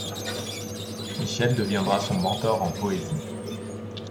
Michel deviendra son mentor en poésie.